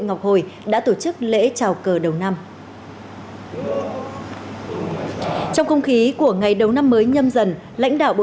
ngọc hồi đã tổ chức lễ trào cờ đầu năm trong không khí của ngày đầu năm mới nhâm dần lãnh đạo bộ